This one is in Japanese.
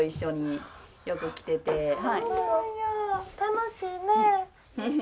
楽しいね。